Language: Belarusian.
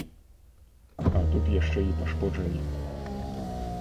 А тут яшчэ і пашкоджанні.